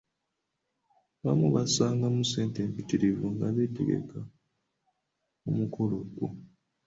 Abamu bassangamu ssente empitirivu nga bategeka omukolo ogwo.